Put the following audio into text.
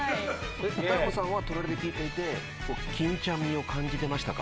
大悟さんは隣で聞いていて欽ちゃんみを感じてましたか。